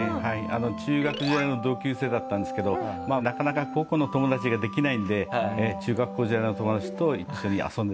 中学時代の同級生だったんですけどなかなか高校の友達ができないんで中学校時代の友達と一緒に遊んでたんです。